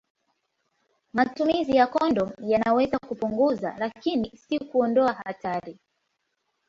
Matumizi ya kondomu yanaweza kupunguza, lakini si kuondoa hatari.